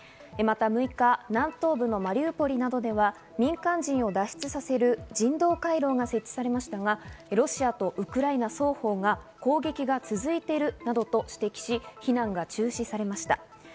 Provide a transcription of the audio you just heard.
また６日、南東部のマリウポリなどでは民間人を脱出させる人道回廊が設置されましたがロシアとウクライナの双方が攻撃が続いているなどと指摘し、避難が中止されました。